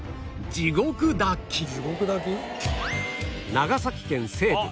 長崎県西部